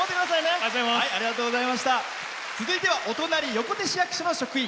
続いてはお隣、横手市役所の職員。